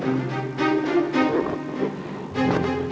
saya tidak percaya